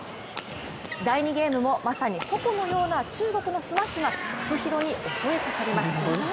第２ゲームもまさにホコのような中国のスマッシュがフクヒロに襲いかかります。